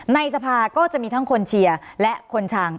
ในสภาก็จะมีทั้งคนเชียร์และคนชัง